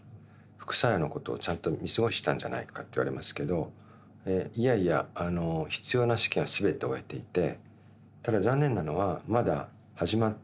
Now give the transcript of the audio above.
副作用のことをちゃんと見過ごしたんじゃないかって言われますけどいやいや必要な試験は全て終えていて。